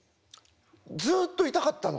ずっといたかったの。